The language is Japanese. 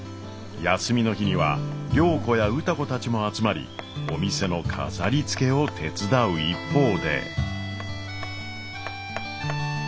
休みの日には良子や歌子たちも集まりお店の飾りつけを手伝う一方で。